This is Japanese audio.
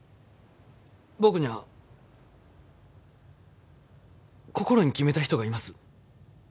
僕には心に決めた人がいます。